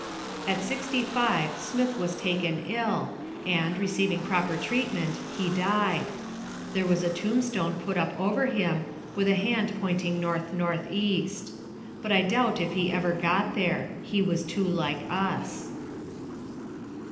At sixty five Smith was taken ill, and, receiving proper treatment, he died. There was a tombstone put up over him, with a hand pointing north north east. But I doubt if he ever got there. He was too like us.